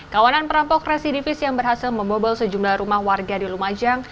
kawanan perampok residivis yang berhasil membobol sejumlah rumah warga di lumajang